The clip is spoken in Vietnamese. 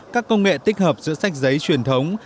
các công nghệ tích hợp giữa sách giấy truyền thống